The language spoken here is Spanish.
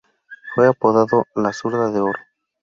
Fue apodado "La zurda de oro".